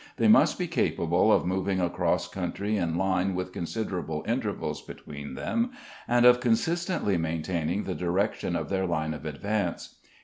They must be capable of moving across country in line with considerable intervals between them, and of consistently maintaining the direction of their line of advance.